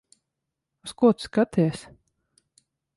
Uz ko tu skaties?